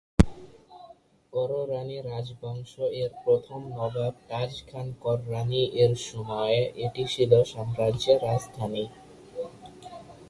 কররানী রাজবংশ এর প্রথম নবাব তাজ খান কররানী এর সময়কালে এটি ছিল সাম্রাজ্যের রাজধানী।